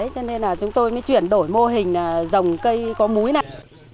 cho nên là chúng tôi mới chuyển đổi mô hình dòng cây có múi này